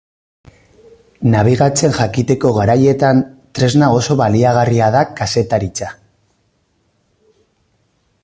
Nabigatzen jakiteko garaietan, tresna oso baliagarria da kazetaritza.